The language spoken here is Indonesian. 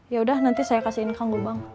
yaudah nanti saya kasihin kang gubang